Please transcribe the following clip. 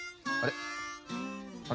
あれ？